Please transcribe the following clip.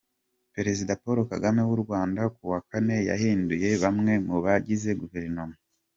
Perezida Paul Kagame w'u Rwanda ku wa kane yahinduye bamwe mu bagize guverinoma.